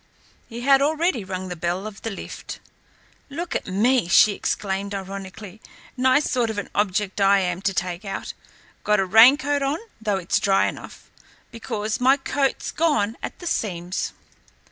He had already rung the bell of the lift. "Look at me!" she exclaimed ironically. "Nice sort of an object I am to take out! Got a raincoat on though it's dry enough because my coat's gone at the seams."